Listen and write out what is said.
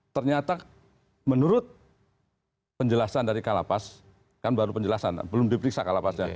ternyata menurut penjelasan dari kalapas kan baru penjelasan belum diperiksa kalapasnya